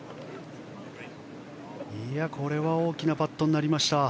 これは大きなパットになりました。